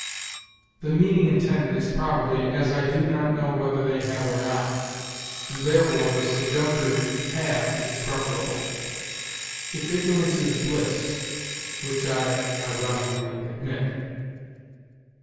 The meaning intended is probably 'as I do not know whether they have or not,' and therefore the subjunctive 'have' is preferable. 'If ignorance is bliss,' which I (ironically) admit.